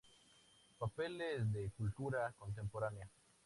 Papeles de Cultura Contemporánea.